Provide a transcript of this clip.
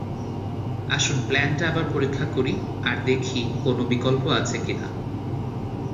আসুন প্ল্যানটা আবার পরীক্ষা করি আর দেখি কোন বিকল্প আছে কিনা।